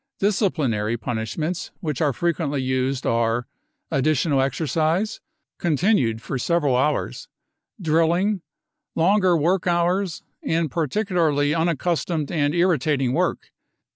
Disciplinary punishments which are frequently used art : additional exercise, con tinued for several hours, drilling, longer work hours, and particularly unaccustomed and irritating wo^k.